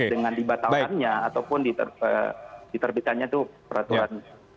dengan dibatalkannya ataupun diterbitkannya itu peraturan